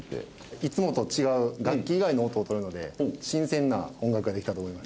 いつもと違う楽器以外の音をとるので新鮮な音楽ができたと思います。